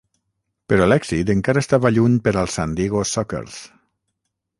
Però l'èxit encara estava lluny per als San Diego Sockers.